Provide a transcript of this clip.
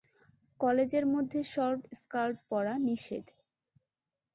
কলেজের মধ্যে short skirt পরা নিষেধ।